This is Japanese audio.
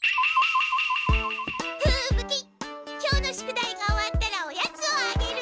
今日の宿題が終わったらおやつをあげる！